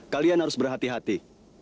kalian harus berhati hati